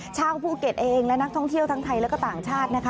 ชาวภูเก็ตเองและนักท่องเที่ยวทั้งไทยและก็ต่างชาตินะคะ